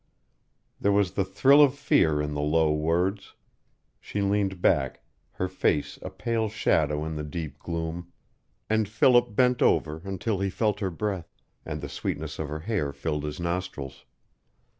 There was the thrill of fear in the low words. She leaned back, her face a pale shadow in the deep gloom; and Philip bent over until he felt her breath, and the sweetness of her hair filled his nostrils.